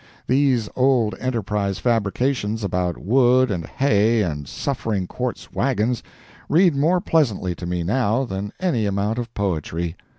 These old ENTERPRISE fabrications about wood and hay and suffering quartz wagons, read more pleasantly to me, now, than any amount of poetry.